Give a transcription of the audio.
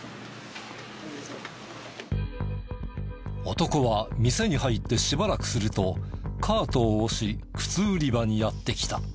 男は店に入ってしばらくするとカートを押し靴売り場にやって来た。